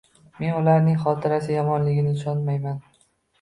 Men ularning xotirasi yomonligiga ishonmayman